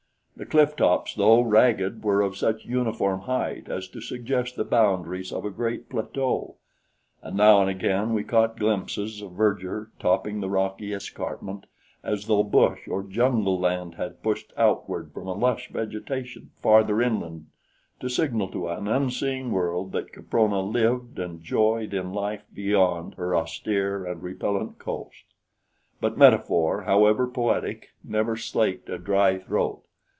The cliff tops, though ragged, were of such uniform height as to suggest the boundaries of a great plateau, and now and again we caught glimpses of verdure topping the rocky escarpment, as though bush or jungle land had pushed outward from a lush vegetation farther inland to signal to an unseeing world that Caprona lived and joyed in life beyond her austere and repellent coast. But metaphor, however poetic, never slaked a dry throat.